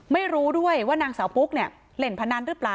ไม่รู้ด้วยว่านางสาวปุ๊กเนี่ยเล่นพนันหรือเปล่า